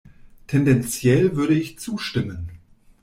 Tendenziell würde ich zustimmen.